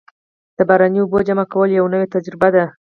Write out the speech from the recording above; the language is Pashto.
د باراني اوبو جمع کول یوه نوې تجربه ده.